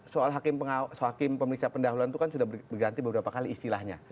soal hakim pemeriksa pendahuluan itu kan sudah berganti beberapa kali istilahnya